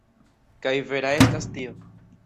Kaj vera estas tio.